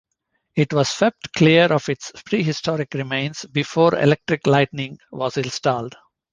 It was swept clear of its prehistoric remains before electric lighting was installed.